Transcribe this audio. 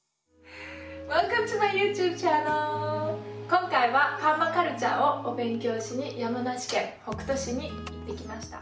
今回はパーマカルチャーをお勉強しに山梨県北杜市に行ってきました。